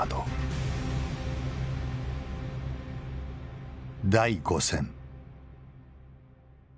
第５戦。